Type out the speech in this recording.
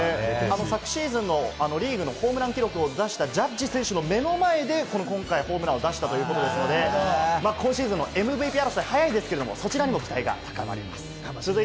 昨シーズンのリーグのホームラン記録を出したジャッジ選手の目の前で今回ホームランを出したので、今シーズンのＭＶＰ争い、早いですけれども、そちらにも期待が高まります。